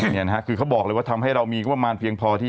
นี่นะฮะคือเขาบอกเลยว่าทำให้เรามีงบประมาณเพียงพอที่